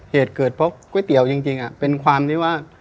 เหตุเกิดเพราะก๋วยเตี๋ยวจริงเป็นความที่ว่า